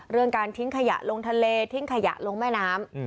เรื่องการทิ้งขยะลงทะเลทิ้งขยะลงแม่น้ำ